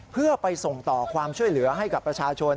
เพื่อไปส่งต่อความช่วยเหลือให้กับประชาชน